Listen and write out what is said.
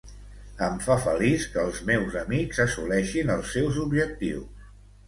Em fa feliç que els meus amics assoleixin els seus objectius.